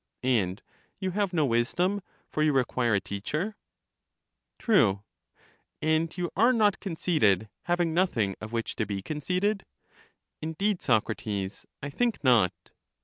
And you have no wisdom, for you require a teacher? True. And you are not conceited, having nothing of which to be conceited? Indeed, Socrates, I think not.